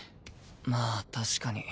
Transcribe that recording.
まあ確かに。